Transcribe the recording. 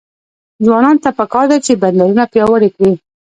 ځوانانو ته پکار ده چې، بندرونه پیاوړي کړي.